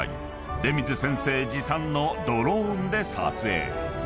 ［出水先生持参のドローンで撮影］